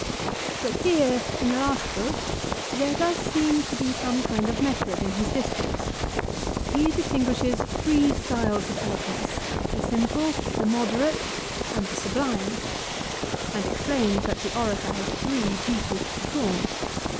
But here, in the last book, there does seem to be some kind of method in his discourse. He distinguishes three styles of eloquence, the simple, the moderate, and the sublime, and explains that the orator has three duties to perform.